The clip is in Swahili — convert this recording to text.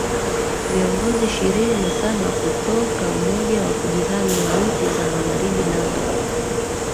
viongozi ishirini na saba kukota umoja wakujihami wa nchi za magharibi nato